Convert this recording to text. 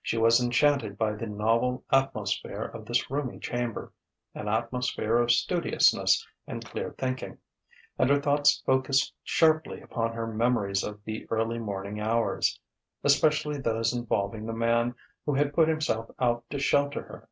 She was enchanted by the novel atmosphere of this roomy chamber, an atmosphere of studiousness and clear thinking. And her thoughts focussed sharply upon her memories of the early morning hours, especially those involving the man who had put himself out to shelter her.